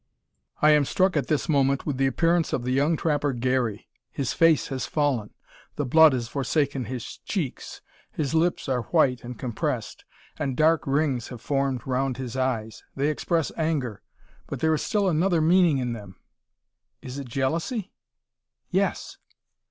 I am struck at this moment with the appearance of the young trapper Garey. His face has fallen, the blood has forsaken his cheeks, his lips are white and compressed, and dark rings have formed round his eyes. They express anger, but there is still another meaning in them. Is it jealousy? Yes!